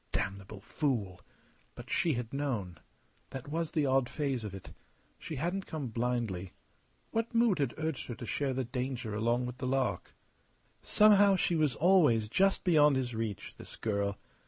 Damnable fool! But she had known. That was the odd phase of it. She hadn't come blindly. What mood had urged her to share the danger along with the lark? Somehow, she was always just beyond his reach, this girl.